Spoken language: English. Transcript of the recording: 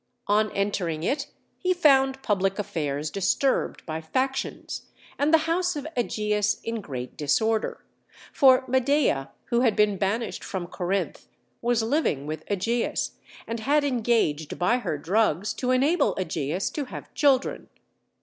On entering it he found public affairs disturbed by factions, and the house of Ægeus in great disorder; for Medea, who had been banished from Corinth, was living with Ægeus, and had engaged by her drugs to enable Ægeus to have children.